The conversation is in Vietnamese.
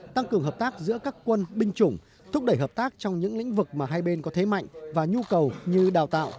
tăng cường hợp tác giữa các quân binh chủng thúc đẩy hợp tác trong những lĩnh vực mà hai bên có thế mạnh và nhu cầu như đào tạo